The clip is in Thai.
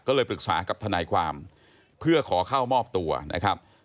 ก็เลยปรึกษากับทนายความเพื่อขอเข้ามอบตัวนะครับ